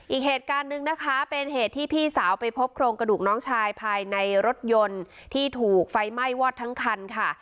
อีกเหตุการณ์หนึ่งนะคะเป็นเหตุที่พี่สาวไปพบโครงกระดูกน้องชายภายในรถยนต์ที่ถูกไฟไหม้วอดทั้งคันค่ะ